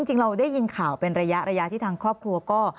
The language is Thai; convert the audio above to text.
จริงเราได้ยินข่าวเป็นระยะที่ทางครอบครัวก็